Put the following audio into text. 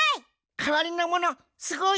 かわりのものすごい！